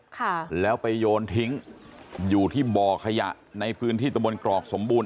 ค่ะแล้วไปโยนทิ้งอยู่ที่บ่อขยะในพื้นที่ตะบนกรอกสมบูรณ